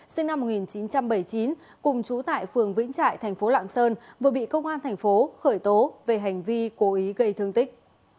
sinh năm một nghìn chín trăm bảy mươi chín cùng trú tại phường vĩnh trại thành phố lạng sơn vừa bị công an thành phố khởi tố về hành vi cố ý gây thương tích